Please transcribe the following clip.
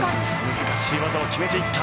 難しい技を決めていった。